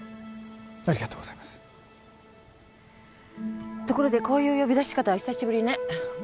ありがとうございますところでこういう呼び出し方は久しぶりね